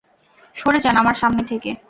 সরে যান আমার সামনে থেকে।